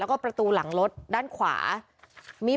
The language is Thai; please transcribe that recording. พวกมันต้องกินกันพี่